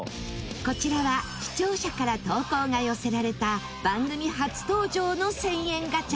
こちらは視聴者から投稿が寄せられた番組初登場の１０００円ガチャ。